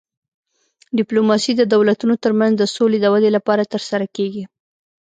ډیپلوماسي د دولتونو ترمنځ د سولې د ودې لپاره ترسره کیږي